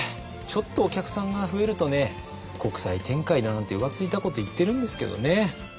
ちょっとお客さんが増えるとね国際展開だなんて浮ついたこと言ってるんですけどね。